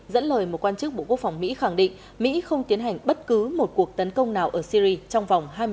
dẫn lời một quan chức bộ quốc phòng mỹ khẳng định mỹ không tiến hành bất cứ một cuộc tấn công nào ở syri trong vòng hai mươi giờ